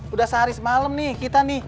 udah sehari semalam kitori